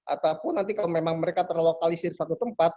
ataupun nanti kalau memang mereka terlokalisir satu tempat